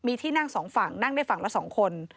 มีที่นั่งสองฝั่งนั่งได้ฝั่งละ๒คน